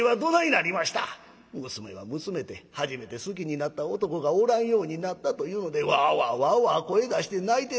娘は娘で初めて好きになった男がおらんようになったというのでワーワーワーワー声出して泣いてなさる。